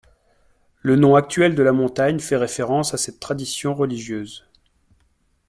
Le nom actuel de la montagne fait référence à cette tradition religieuse.